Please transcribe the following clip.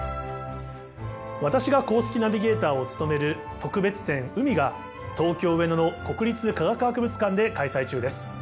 私が公式ナビゲーターを務める特別展「海」が東京・上野の国立科学博物館で開催中です。